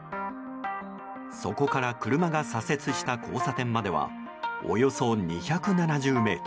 そこから車が左折した交差点まではおよそ２７０ｍ。